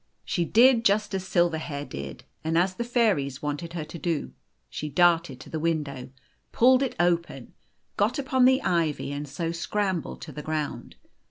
' D She did just as Silverhair did, and as the fairies wanted her to do : she darted to the window, pulled it open, got upon the ivy, and so scrambled to the ground.